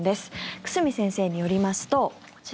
久住先生によりますと、こちら。